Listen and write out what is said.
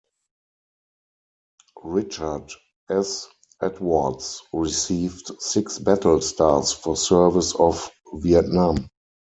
Richard S. Edwards received six battle stars for service off Vietnam.